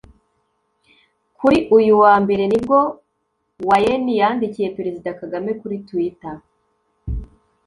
Kuri uyu wa Mbere nibwo Waeni yandikiye Perezida Kagame kuri twitter